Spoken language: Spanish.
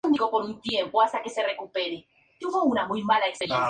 Otras tienen una constante de tiempo del sonido.